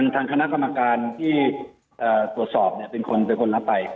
ทางคณะกรรมการที่ตรวจสอบเป็นคนรับไป